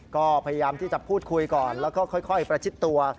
ก็พยายามที่จะพูดคุยก่อนแล้วก็ค่อยประชิดตัว